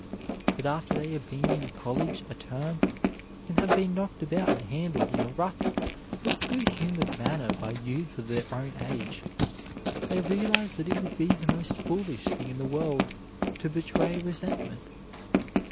But after they have been in college a term, and have been knocked about and handled in a rough but good humored manner by youths of their own age, they realize that it would be the most foolish thing in the world to betray resentment.